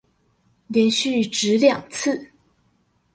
連續擲兩次